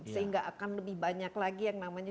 sehingga akan lebih banyak lagi yang namanya